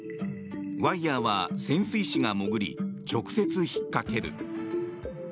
ワイヤは潜水士が潜り直接、引っかける。